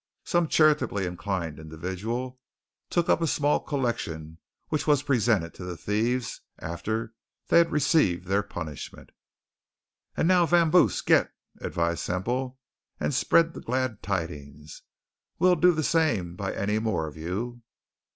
Some charitably inclined individual actually took up a small collection which was presented to the thieves after they had received their punishment. "And now, vamos, git!" advised Semple. "And spread the glad tidings. We'll do the same by any more of you.